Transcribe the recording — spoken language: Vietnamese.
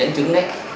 dẫn chứng đấy